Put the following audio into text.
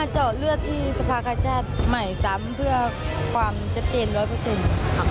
เจาะเลือดที่สภาคชาติใหม่ซ้ำเพื่อความชัดเจนร้อยเปอร์เซ็นต์